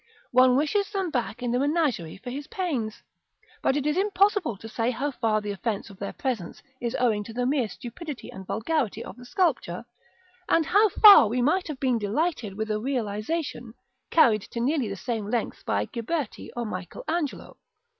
One wishes them back in the menagerie for his pains; but it is impossible to say how far the offence of their presence is owing to the mere stupidity and vulgarity of the sculpture, and how far we might have been delighted with a realisation, carried to nearly the same length by Ghiberti or Michael Angelo.